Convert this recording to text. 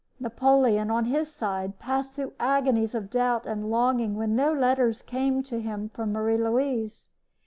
Napoleon, on his side, passed through agonies of doubt and longing when no letters came to him from Marie Louise.